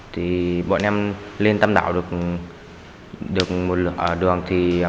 thì bọn em lên tam đảo được một lửa đường